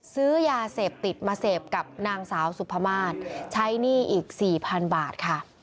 ซื้อยาเสพติดมาเสพกับนางสาวสุภามาศใช้หนี้อีก๔๐๐๐บาทค่ะ